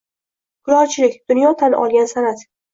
Kulolchilik – dunyo tan olgan san’at